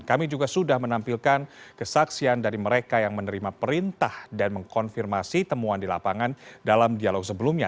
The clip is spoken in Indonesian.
kami juga sudah menampilkan kesaksian dari mereka yang menerima perintah dan mengkonfirmasi temuan di lapangan dalam dialog sebelumnya